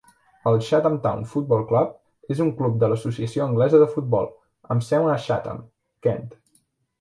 El Chatham Town Football Club és un club de l'Associació Anglesa de Futbol, amb seu a Chatham, Kent.